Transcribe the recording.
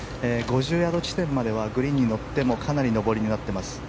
５０ヤード地点まではグリーンに乗ってもかなり上りになっています。